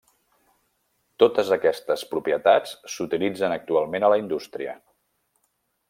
Totes aquestes propietats s'utilitzen actualment a la indústria.